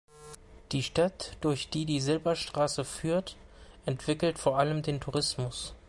Die Stadt, durch die die Silberstraße führt, entwickelt vor allem den Tourismus.